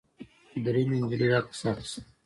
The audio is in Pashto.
درېیمې نجلۍ عکس اخیست.